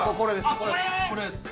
これです。